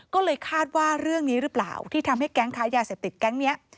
ก็เลยคาดว่าเรื่องนี้หรือเปล่าที่ทำให้แก๊งค้ายาเสพติดแก๊งนี้